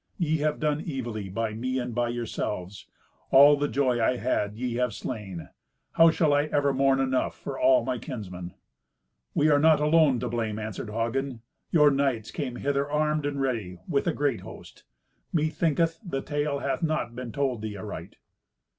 Ye have done evilly by me and by yourselves. All the joy I had ye have slain. How shall I ever mourn enough for all my kinsmen?" "We are not alone to blame," answered Hagen. "Your knights came hither armed and ready, with a great host. Methinketh the tale hath not been told thee aright."